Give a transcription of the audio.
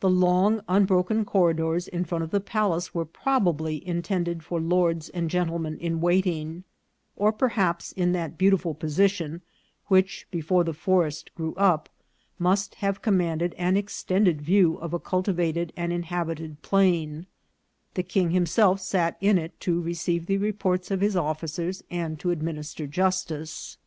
The long, unbroken cor ridors in front of the palace were probably intended for lords and gentlemen in waiting; or perhaps, in that beautiful position, which, before the forest grew up, must have commanded an extended view of a cultiva ted and inhabited plain, the king himself sat in it to re ceive the reports of his officers and to administer justice.